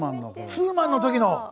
ツーマンの時の！